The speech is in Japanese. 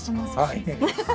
はい。